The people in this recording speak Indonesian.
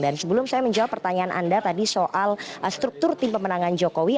dan sebelum saya menjawab pertanyaan anda tadi soal struktur tim pemenangan jokowi